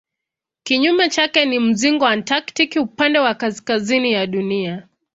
Kinyume chake ni mzingo antaktiki upande wa kaskazini ya Dunia.